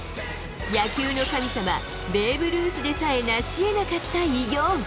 野球の神様、ベーブ・ルースでさえ成しえなかった偉業。